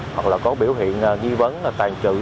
hoặc là có biểu hiện di vấn tàn truyền